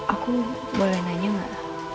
aku boleh nanya mbak